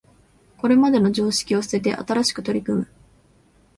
これまでの常識を捨てて新しく取り組む